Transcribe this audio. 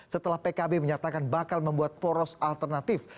setelah pkb menyatakan bakal membuat poros alternatif